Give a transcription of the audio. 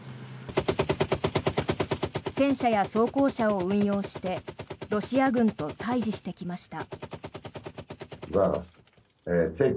戦車や装甲車を運用してロシア軍と対峙してきました。